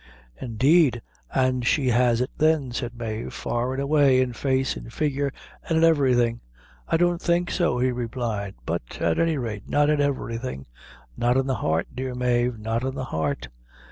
"Indeed, an' she has it then," said Mave, "far an' away, in face, in figure, an' in everything." "I don't think so," he replied; "but at any rate not in everything not in the heart, dear Mave not in the heart."